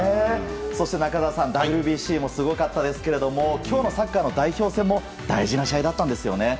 そして、中澤さんＷＢＣもすごかったですけれども今日のサッカーの代表戦も大事な試合だったんですよね。